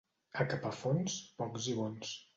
A Capafonts, pocs i bons.